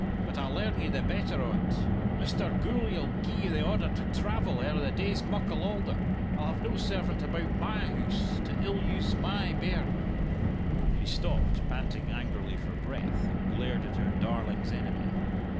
But I'll learn ye the better o't! Mr. Gourlay'll gie you the order to travel ere the day's muckle aulder. I'll have no servant about my hoose to ill use my bairn." She stopped, panting angrily for breath, and glared at her darling's enemy.